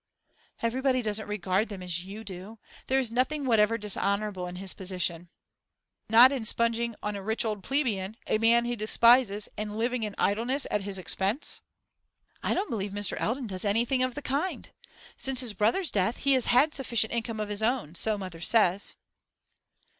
'Everybody doesn't regard them as you do. There is nothing whatever dishonourable in his position.' 'Not in sponging on a rich old plebeian, a man he despises, and living in idleness at his expense?' 'I don't believe Mr. Eldon does anything of the kind. Since his brother's death he has had a sufficient income of his own, so mother says.